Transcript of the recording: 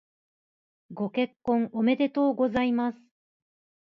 ご結婚おめでとうございます。